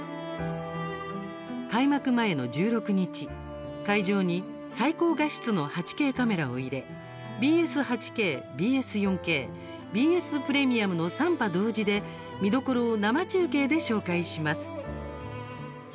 開幕前の１６日、会場に最高画質の８Ｋカメラを入れＢＳ８Ｋ、ＢＳ４ＫＢＳプレミアムの３波同時で見どころを生中継で紹介します。